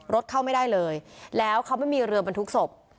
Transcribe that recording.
รถเข้าไม่ได้เลยแล้วเขาไม่มีเรือบรรทุกศพ